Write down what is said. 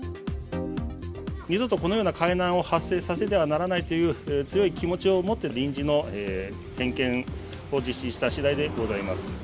二度とこのような海難を発生させてはならないという強い気持ちを持って、臨時の点検を実施したしだいでございます。